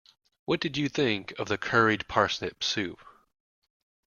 What did you think of the curried parsnip soup?